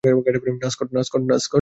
না, স্কট।